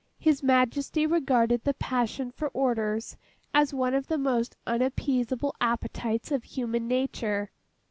His Majesty regarded the passion for orders, as one of the most unappeasable appetites of human nature.